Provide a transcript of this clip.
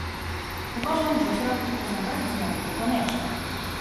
Uważam, że środki te są bezwzględnie konieczne